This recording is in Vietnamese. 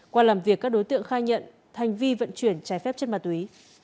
qua làm việc các đối tượng khai nhận hành vi vận chuyển trái phép chất ma túy